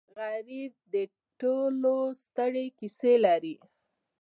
غریب د ټولو ستړې کیسې لري